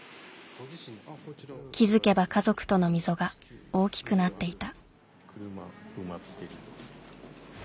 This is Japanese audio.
気付けば家族との溝が大きくなっていた。